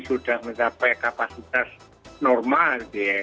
sudah mencapai kapasitas normal